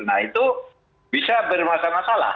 nah itu bisa bermasalah